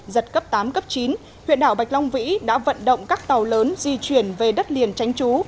giật cấp tám cấp chín huyện đảo bạch long vĩ đã vận động các tàu lớn di chuyển về đất liền tránh trú